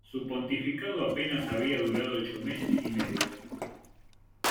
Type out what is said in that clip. Su pontificado apenas había durado ocho meses y medio.